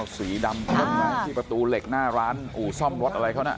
สีดำพ่นไว้ที่ประตูเหล็กหน้าร้านอู่ซ่อมรถอะไรเขานะ